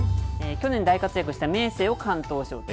去年、大活躍した明生を敢闘賞。